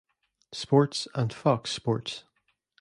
Sports and Fox Sports.